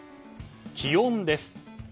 気温です。